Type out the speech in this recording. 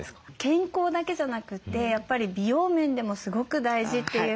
健康だけじゃなくてやっぱり美容面でもすごく大事というふうに聞きますよね。